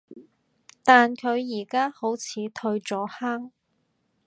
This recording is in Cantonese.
但佢而家好似退咗坑